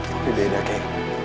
tapi beda kay